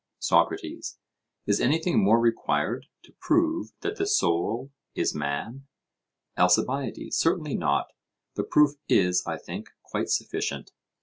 SOCRATES: Is anything more required to prove that the soul is man? ALCIBIADES: Certainly not; the proof is, I think, quite sufficient.